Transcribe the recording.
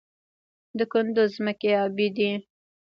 د کندز ځمکې ابي دي